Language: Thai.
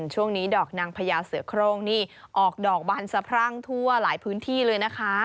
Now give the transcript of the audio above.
ช่วงนี้ดอกนางพญาเสือโครงนี่ออกดอกบานสะพรั่งทั่วหลายพื้นที่เลยนะคะ